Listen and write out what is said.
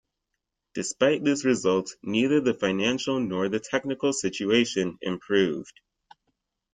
Despite this result, neither the financial nor the technical situation improved.